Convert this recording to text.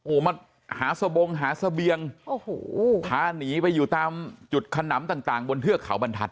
โอ้มันหาสะบงหาเสบียงพาหนีไปอยู่ตามจุดขนำต่างบนเทือกเขาบรรทัศน์